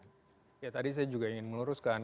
ya tadi saya juga ingin meluruskan